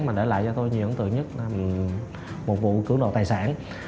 mà để lại cho tôi nhiều ấn tượng nhất là một vụ cưỡng đồ tài sản